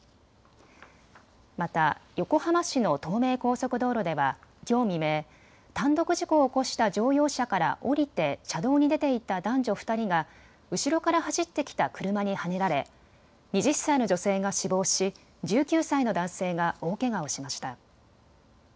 また、横浜市の東名高速道路ではきょう未明、単独事故を起こした乗用車から降りて車道に出ていた男女２人が後ろから走ってきた車にはねられ、２０歳の女性が死亡し１９歳の男性が大けがをしました。